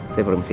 saya permisi ya